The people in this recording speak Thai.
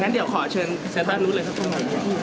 งั้นเดี๋ยวขอเชิญเซ็นต์ด้านนู้นเลยครับพี่